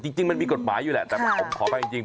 จริงมันมีกฎหมายอยู่แหละแต่ผมขออภัยจริง